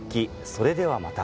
それではまた。